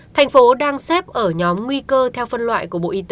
thành phố đang xếp ở nhóm nguy cơ theo phân loại